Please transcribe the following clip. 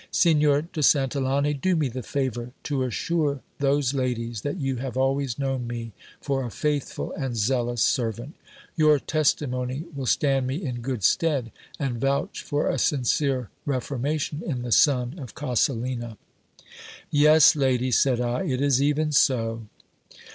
Signor de Santillane, do me the favour to assure those ladies that ycu have always known me for a faithful and zealous servant Your testimony w 11 stand me in good stead, and vouch for a sincere reformation in the son of C jselina. 392 GIL BLAS. Yes, ladies, said I, it is even so.